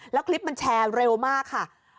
แล้วคลิปมันแชร์เร็วมากค่ะ